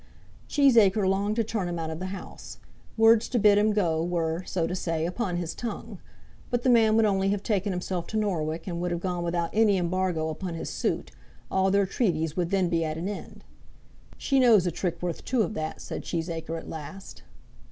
Cheesacre longed to turn him out of the house. Words to bid him go, were, so to say, upon his tongue. But the man would only have taken himself to Norwich, and would have gone without any embargo upon his suit; all their treaties would then be at an end. "She knows a trick worth two of that," said Cheesacre at last.